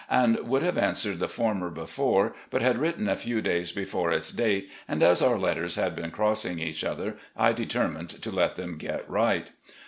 and would have answered the former before, but had written a few days before its date, and as our letters had been crossing each other, I determined to let them get right.